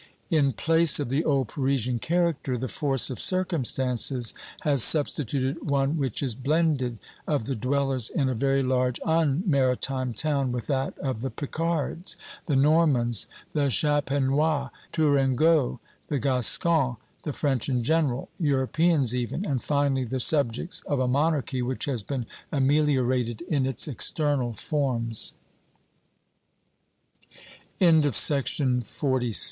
In place of the old Parisian character the force of circumstances has substituted one which is blended of the dwellers in a very large unmaritime town with that of the Picards, the Normans, the Champenois, the Tourangeaux, the Gascons, the French in general, Europeans even, and finally the subjects of a monarchy which has been ameliorated